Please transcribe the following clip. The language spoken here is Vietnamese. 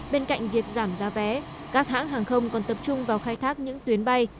bên cạnh việc giảm giá vé các hãng hàng không còn tập trung vào khai thác những tuyến bay